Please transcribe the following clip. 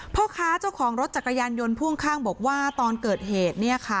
พ่อค้าเจ้าของรถจักรยานยนต์พ่วงข้างบอกว่าตอนเกิดเหตุ